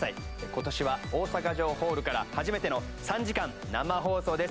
今年は大阪城ホールから初めての３時間生放送です。